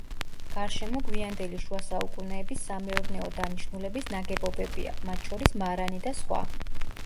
გარშემო გვიანდელი შუა საუკუნეების სამეურნეო დანიშნულების ნაგებობებია, მათ შორის მარანი და სხვა.